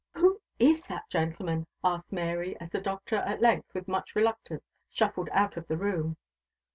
"Who is that gentleman?" asked Mary, as the Doctor at length, with much reluctance, shuffled out of the room.